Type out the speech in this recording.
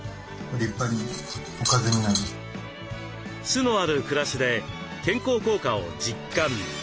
酢のある暮らしで健康効果を実感。